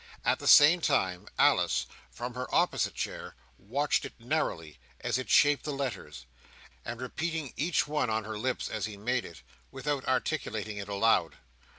At the same time, Alice, from her opposite chair, watched it narrowly as it shaped the letters, and repeated each one on her lips as he made it, without articulating it aloud.